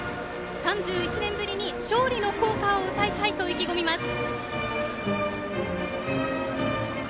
３１年ぶりに勝利の校歌を歌いたいと意気込みます。